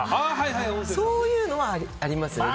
そういうのはありますね。